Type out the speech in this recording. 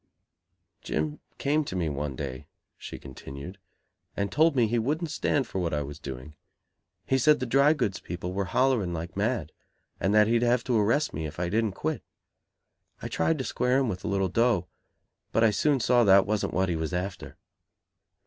"Jim came to me one day," she continued, "and told me he wouldn't stand for what I was doing. He said the drygoods people were hollering like mad; and that he'd have to arrest me if I didn't quit. I tried to square him with a little dough, but I soon saw that wasn't what he was after."